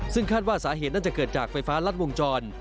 ซึ่งคาดว่าสาเหตุน่าจะเกิดจากไฟฟ้ารัดวงจร